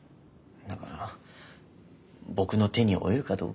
だから僕の手に負えるかどうか。